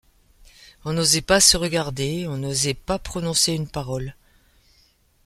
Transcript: On n’osait pas se regarder, on n’osait pas prononcer une parole. ..